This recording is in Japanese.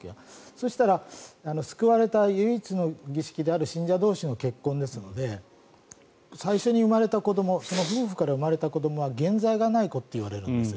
そしたら救われた唯一の儀式である信者同士の結婚ですので最初に生まれた子どもその夫婦から生まれた子どもは原罪がない子といわれるんです。